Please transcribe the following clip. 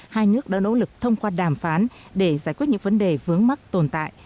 hai nước đã nỗ lực thông qua đàm phán để giải quyết những vấn đề vướng mắc tồn tại